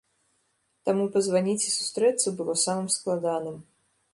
Таму пазваніць і сустрэцца было самым складаным.